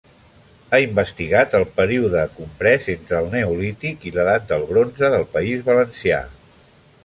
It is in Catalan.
Ha investigat el període comprès entre el Neolític i l'edat del bronze del País Valencià.